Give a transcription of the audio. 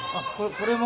これも？